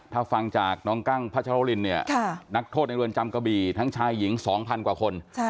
ถ้าฟังจากน้องกั้งพัชรวรินเนี่ยนักโทษในเรือนจำกระบี่ทั้งชายหญิง๒๐๐กว่าคน